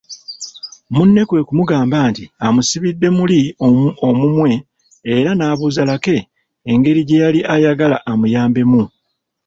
Munne kwe kugamba nti amusibidde muli omumwe era n’abuuza Lucky engeri gye yali ayagala amuyambemu.